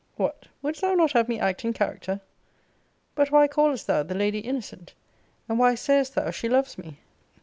] What! wouldst thou not have me act in character? But why callest thou the lady innocent? And why sayest thou she loves me?